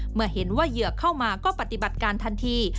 เมื่อเห็นว่าเหยื่อเข้ามาก็ปฏิบัติการทันที